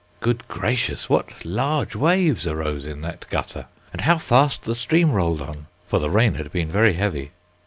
Good gracious, what large waves arose in that gutter! and how fast the stream rolled on! for the rain had been very heavy.